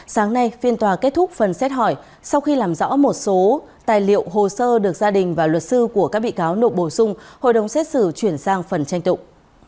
sáng nay phiên tòa kết thúc phần xét hỏi sau khi làm rõ một số tài liệu hồ sơ được gia đình và luật sư của các bị cáo nộp bổ sung hội đồng xét xử chuyển sang phần tranh tụng